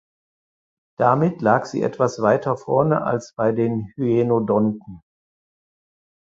Damit lag sie etwas weiter vorne als bei den Hyaenodonten.